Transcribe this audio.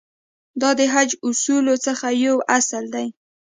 دا د حج اصولو څخه یو اصل دی.